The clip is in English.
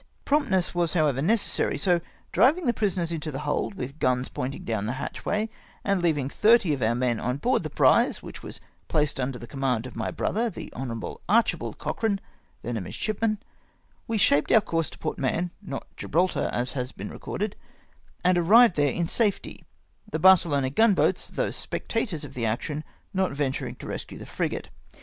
Promptness was however necessary ; so driving the prisoners into the hold, with guns point ing down the hatchway, and leaving thirty of our men on board the prize — which was placed luider the com mand of my brother, the Hon. Archibald Cochrane, then a midshipman — we shaped our course to Port Mahon — not Gibraltar, as has been recorded — and arrived there in safety ; the Barcelona gun boats, though spec tators of the action, not venturing to rescue the frigate.